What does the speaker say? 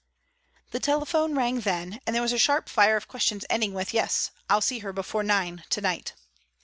The telephone rang then, and there was a sharp fire of questions ending with, "Yes I'll see her before nine to night."